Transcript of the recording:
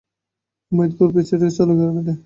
অমিত ঘর ছেড়ে গেল বাইরে।